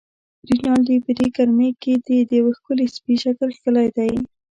رینالډي: په دې ګرمۍ کې دې د یوه ښکلي سپي شکل کښلی دی.